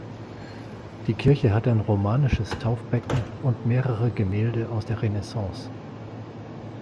Die Kirche hat ein romanisches Taufbecken und mehrere Gemälde aus der Renaissance.